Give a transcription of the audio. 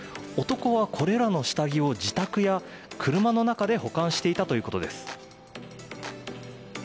男はこれらの下着を自宅や車の中で保管していたということです。